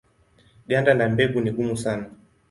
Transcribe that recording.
Ganda la mbegu ni gumu sana.